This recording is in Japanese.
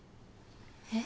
えっ？